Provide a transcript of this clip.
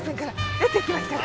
出て行きますから。